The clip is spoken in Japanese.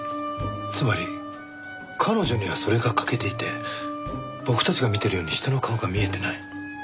つまり彼女にはそれが欠けていて僕たちが見ているように人の顔が見えていない？